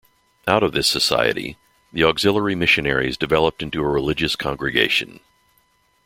Out of this society, the auxiliary missionaries developed into a religious congregation.